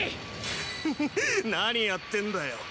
ククッ何やってんだよ。